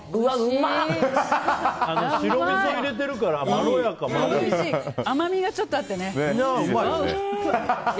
白みそを入れてるから甘みがちょっとあってね。